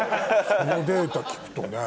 そのデータ聞くとね。